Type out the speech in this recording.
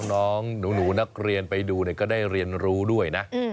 น้องหนูนักเรียนไปดูก็ได้เรียนรู้ด้วยนะ